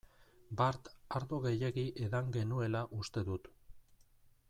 Bart ardo gehiegi edan genuela uste dut.